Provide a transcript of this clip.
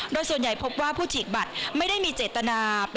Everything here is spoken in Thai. โดยส่วนใหญ่พบว่าผู้ฉีกบัตรไม่ได้มีเจตนา